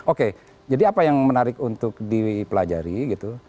oke jadi apa yang menarik untuk dipelajari gitu